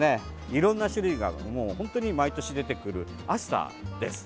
いろんな種類がもう本当に毎年出てくる、アスターです。